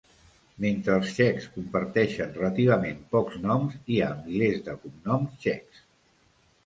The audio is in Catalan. Mentre els txecs comparteixen relativament pocs noms, hi ha milers de cognoms txecs.